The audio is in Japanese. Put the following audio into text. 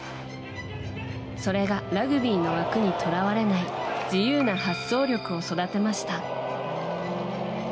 それがラグビーの枠にとらわれない自由な発想力を育てました。